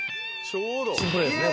珍プレーですね